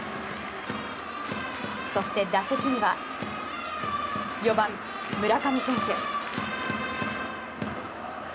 そして打席には４番、村上選手。